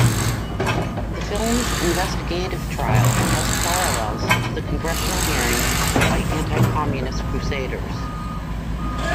The film's investigative trial has parallels to the congressional hearings by anti-communist crusaders.